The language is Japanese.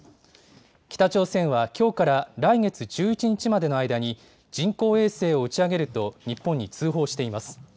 北朝鮮は、きょうから来月１１日までの間に、人工衛星を打ち上げると日本に通報しています。